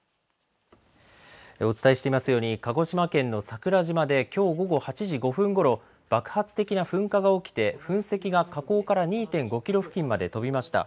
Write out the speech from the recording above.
お伝えしていますように鹿児島県の桜島できょう午後８時５分ごろ爆発的な噴火が起きて噴石が火口から２．５キロ付近まで飛びました。